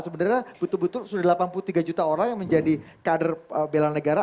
sebenarnya betul betul sudah delapan puluh tiga juta orang yang menjadi kader bela negara